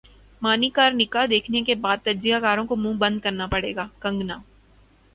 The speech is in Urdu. منیکارنیکا دیکھنے کے بعد تجزیہ کاروں کو منہ بند کرنا پڑے گا کنگنا